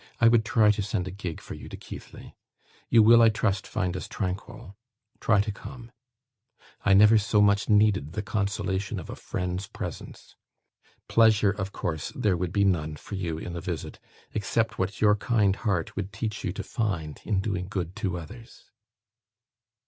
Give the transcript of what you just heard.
I would try to send a gig for you to Keighley. You will, I trust, find us tranquil. Try to come. I never so much needed the consolation of a friend's presence. Pleasure, of course, there would be none for you in the visit, except what your kind heart would teach you to find in doing good to others."